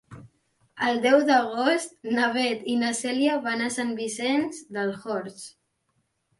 El deu d'agost na Beth i na Cèlia van a Sant Vicenç dels Horts.